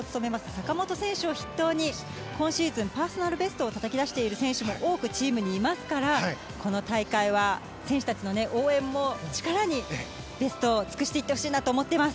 坂本選手を筆頭に今シーズン、パーソナルベストをたたき出している選手も多くチームにいますからこの大会は選手たちの応援も力にベストを尽くしてほしいと思います。